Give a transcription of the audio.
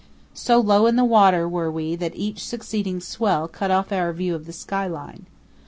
So low in the water were we that each succeeding swell cut off our view of the sky line.